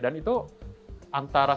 dan itu antara